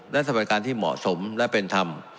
และสวัสดิการที่เหมาะสมและเป็นธรรม